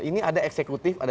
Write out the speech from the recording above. ini ada eksekutif